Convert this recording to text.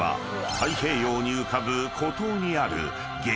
［太平洋に浮かぶ孤島にある激